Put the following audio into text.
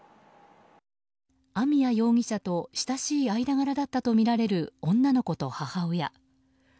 網谷容疑者と親しい間柄だったとみられる女の子と母親。